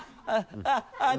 「あっあっ」